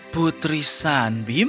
putri san bim